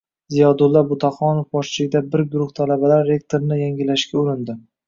Ziyodulla Butaxonov boshchiligidagi bir guruh talabalar rekordini yangilashga urindi.